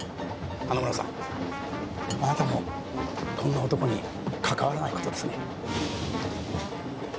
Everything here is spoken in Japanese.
花村さんあなたもこんな男にかかわらない事ですね。